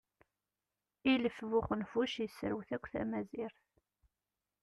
Ilef bu uxenfuc yesserwet akk tamazirt.